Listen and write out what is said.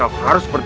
aku akan menang